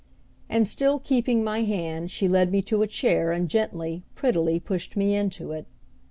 And still keeping my hand she led me to a chair and gently, prettily pushed me into it.